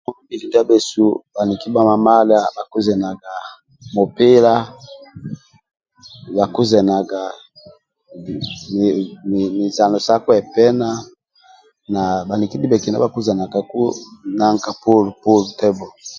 Ka ngongwa mbili ndia bhesu bhaniki bha mamadha bhakuzenagaku mupila bhakuzenaga mi mi muzano sa kwepena bhaniki ndibhekina bhakuzenaga muzano sa pulu pulu tabo